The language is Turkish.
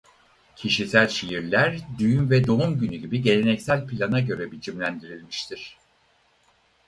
Kişisel şiirler düğün ve doğum günü gibi geleneksel plana göre biçimlendirilmiştir.